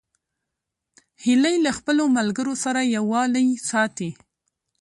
هیلۍ له خپلو ملګرو سره یووالی ساتي